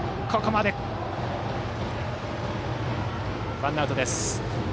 ワンアウトです。